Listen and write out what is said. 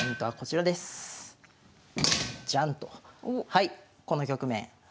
はいこの局面。